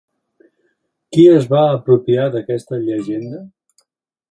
Qui es va apropiar d'aquesta llegenda?